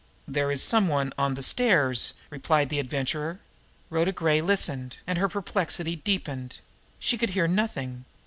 "There is some one on the stairs," replied the Adventurer. Rhoda Gray listened and her perplexity deepened. She could hear nothing.